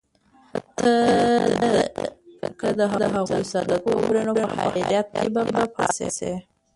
که ته د هغوی ساده توب وګورې، نو په حیرت کې به پاتې شې.